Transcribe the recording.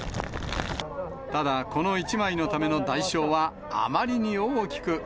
ただ、この１枚のための代償はあまりに大きく。